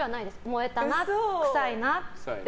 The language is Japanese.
燃えたな、臭いなって。